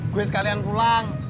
gue sekalian pulang